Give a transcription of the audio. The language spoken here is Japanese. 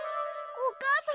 お母さん！？